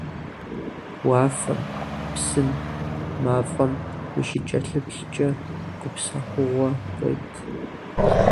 Уафэм, псым, мафӏэм ущыкӏэлъыплъкӏэ гупсэхугъуэ къует.